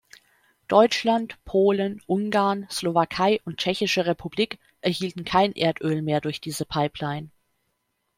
Deutschland, Polen, Ungarn, Slowakei und Tschechische Republik erhielten kein Erdöl mehr durch diese Pipeline.